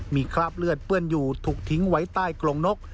มีคราบเลือดเปื้อนอยู่ถูกทิ้งไว้ใต้กรงนก